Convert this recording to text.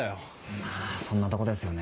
まぁそんなとこですよね。